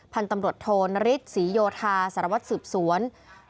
พันธุ์ตำรวจโทนฤทธิศรีโยธาสารวัตรสืบสวน